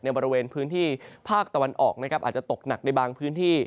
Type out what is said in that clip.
บริเวณพื้นที่ภาคตะวันออกนะครับอาจจะตกหนักในบางพื้นที่